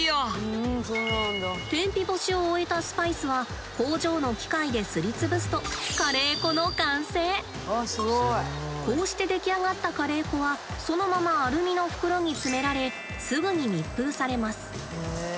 天日干しを終えたスパイスは工場の機械ですりつぶすとこうして出来上がったカレー粉はそのままアルミの袋に詰められすぐに密封されます。